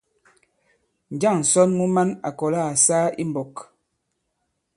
Njâŋ ǹsɔn mu man à kɔ̀la à saa i mbɔk?